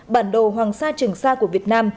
bản đồ hoàng sa trường sa của việt nam